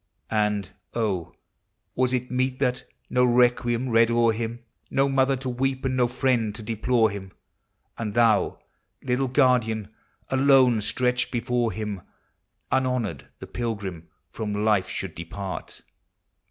And, (), was it meet that— no requiem read oVr him, No mother to weep, and no friend to deplore him. And thou, little guardian, alone Btretched before him — Unhonored the Pilgrim from life should depart